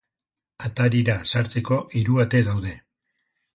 Atarira sartzeko hiru ate daude.